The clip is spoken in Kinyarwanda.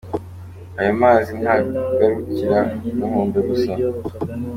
Ayo mazi ntagarukira ku nkombe gusa.